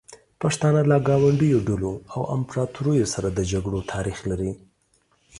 پښتانه له ګاونډیو ډلو او امپراتوریو سره د جګړو تاریخ لري.